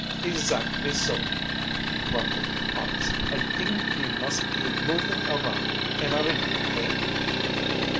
"Exactly so," grumbled Hans. "I dink ve must pe moving around in a ring, hey?"